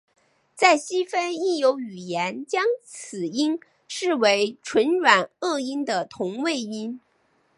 在西非亦有语言将此音视为唇软腭音的同位音。